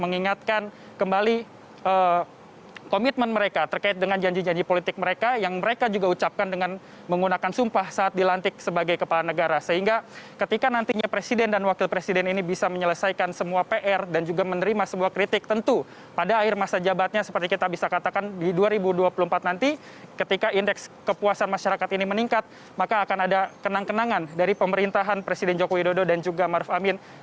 penyelesaian kembali dari komitmen mereka terkait dengan janji janji politik mereka yang mereka juga ucapkan dengan menggunakan sumpah saat dilantik sebagai kepala negara sehingga ketika nantinya presiden dan wakil presiden ini bisa menyelesaikan semua pr dan juga menerima sebuah kritik tentu pada akhir masa jabatnya seperti kita bisa katakan di dua ribu dua puluh empat nanti ketika indeks kepuasan masyarakat ini meningkat maka akan ada kenang kenangan dari pemerintahan presiden joko widodo dan juga maruf amin kepada masyarakat